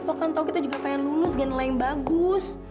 lo kan tau kita juga pengen lulus gini lain bagus